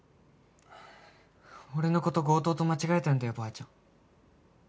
俺の事強盗と間違えたんだよばあちゃん。